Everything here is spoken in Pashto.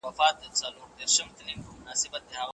تعويذ يې نه اخلمه نې كومه څه يې كوم